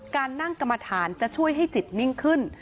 การนั่งกรรมฐานจะช่วยให้จิตนิ่งขึ้น